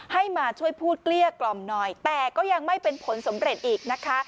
ให้มาช่วยพูดเกลี้ยกล่อมหน่อยแต่ก็ยังไม่เป็นผลสำเร็จอีกนะคะ